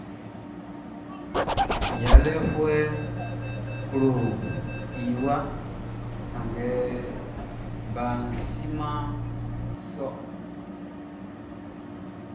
Yalɛfuɛʼn klo i waʼn sanngɛ baʼn simɛn i sôr.